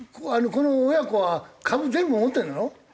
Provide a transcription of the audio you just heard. この親子は株全部持ってるんだろ？